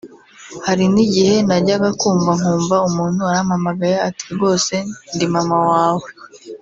Hari n’igihe najyaga kumva nkumva umuntu arampamagaye ati ‘Rwose ndi mama wawe